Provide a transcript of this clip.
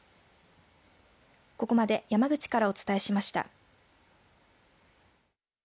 ここまで山口からお伝えしました。